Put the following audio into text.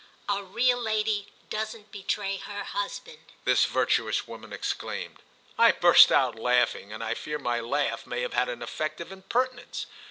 "A real lady doesn't betray her husband!" this virtuous woman exclaimed. I burst out laughing, and I fear my laugh may have had an effect of impertinence.